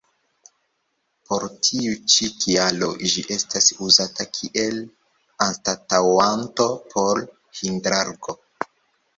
Por tiu ĉi kialo ĝi estas uzata kiel anstataŭanto por Hidrargo.